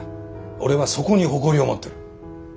俺はそこに誇りを持ってる。